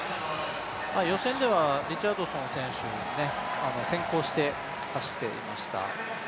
予選ではリチャードソン選手に先行して走っていました。